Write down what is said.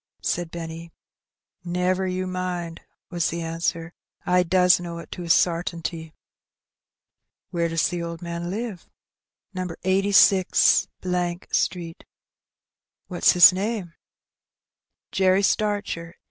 said Benny. "Never you mind," was the answer j "I does know it to a sartinty." "Where does the old man live?" ^^No. 86 Street." "What's his name?" Jerry Starcher.